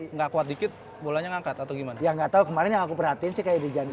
enggak puas dikit bolanya ngangkat atau gimana yang gak tahu kemarin aku perhatiin verified